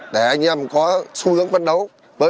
để anh em có xu hướng phân đấu